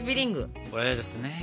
これですね。